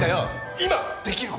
今できる事！